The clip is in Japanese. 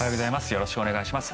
よろしくお願いします。